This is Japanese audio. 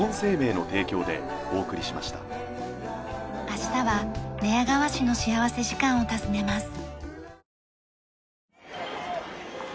明日は寝屋川市の幸福時間を訪ねます。